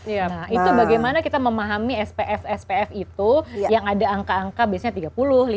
nah itu bagaimana kita memahami spf spf itu yang ada angka angka biasanya tiga puluh lima